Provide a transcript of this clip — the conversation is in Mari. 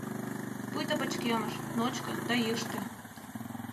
Пуйто пычкемыш, ночко да йӱштӧ.